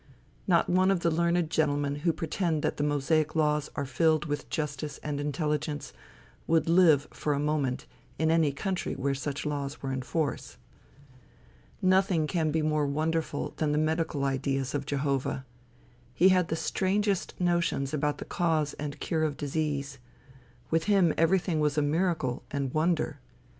Not one of the learned gentlemen who pretend that the Mosaic laws are filled with justice and intelligence, would live, for a moment, in any country where such laws were in force. Nothing can be more wonderful than the medical ideas of Jehovah. He had the strangest notions about the cause and cure of disease. With him everything was miracle and wonder.